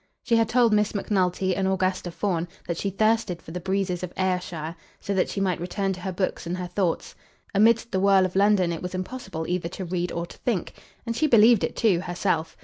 She had told Miss Macnulty and Augusta Fawn that she thirsted for the breezes of Ayrshire, so that she might return to her books and her thoughts. Amidst the whirl of London it was impossible either to read or to think. And she believed it too, herself.